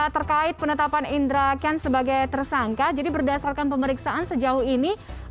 terkait penetapan indra kent sebagai tersangka jadi berdasarkan pemeriksaan sejauh ini